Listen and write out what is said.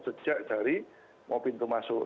sejak dari mau pintu masuk